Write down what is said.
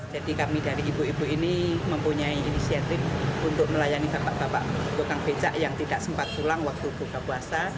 jadi kami dari ibu ibu ini mempunyai inisiatif untuk melayani bapak bapak tukang becak yang tidak sempat pulang waktu buka puasa